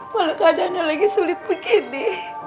walau keadaannya lagi sulit begini